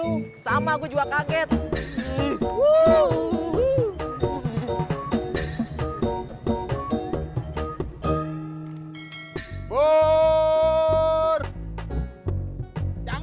bisa dikasih nih kemaren